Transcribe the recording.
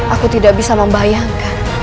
aku tidak bisa membayangkan